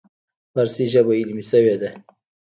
فارسي ژبه علمي شوې ده.